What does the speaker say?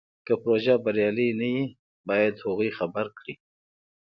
که پروژه بریالۍ نه وي باید هغوی خبر کړي.